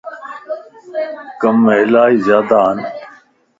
ڪم الائي زياده ائي.